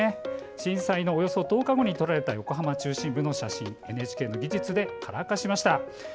震災のおよそ１０日後に撮られた横浜中心部の写真をＮＨＫの技術でカラー化しました。